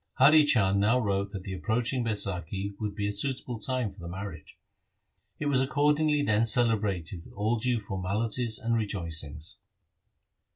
Hari Chand now wrote that the approaching Baisakhi would be a suitable time for the marriage. It was accordingly then celebrated with all due formalities and rejoicings.